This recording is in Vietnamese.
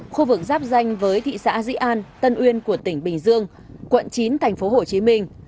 khu vực giáp danh với thị xã dĩ an tân uyên của tỉnh bình dương quận chín thành phố hồ chí minh